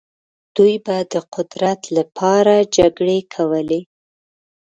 دوی به د قدرت لپاره جګړې کولې.